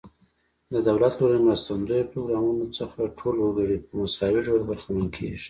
د دولت له لوري مرستندویه پروګرامونو څخه ټول وګړي په مساوي ډول برخمن کیږي.